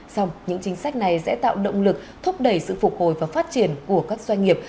xong những chính sách này sẽ tạo động lực thúc đẩy sự phục hồi và phát triển của các doanh nghiệp